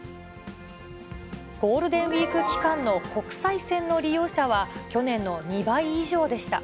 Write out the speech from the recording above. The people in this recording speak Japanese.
ゴールデンウィーク期間の国際線の利用者は去年の２倍以上でした。